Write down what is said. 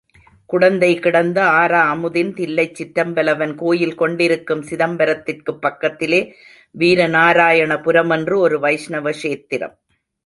குடந்தைகிடந்த Aravamudhan தில்லைச் சிற்றம்பலவன் கோயில் கொண்டிருக்கும் சிதம்பரத்துக்குப் பக்கத்திலே வீரநாராயணபுரம் என்று ஒரு வைஷ்ணவ க்ஷேத்திரம்.